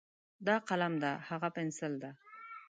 دا قلم ده، هاغه پینسل ده.